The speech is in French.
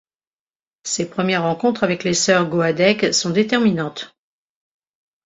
Ses premières rencontres avec les sœurs Goadec sont déterminantes.